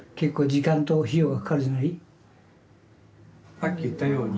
さっき言ったように